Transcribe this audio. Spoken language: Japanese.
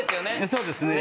そうですね。